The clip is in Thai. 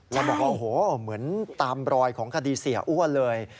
แล้วบอกว่าโอ้โหเหมือนตามรอยของคดีเสียอ้วนเลย